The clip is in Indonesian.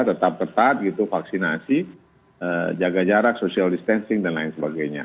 tetap ketat gitu vaksinasi jaga jarak social distancing dan lain sebagainya